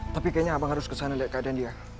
tapi kayaknya abang harus kesana lihat keadaan dia